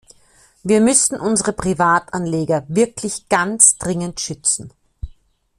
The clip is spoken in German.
Wir müssen unsere Privatanleger wirklich ganz dringend schützen.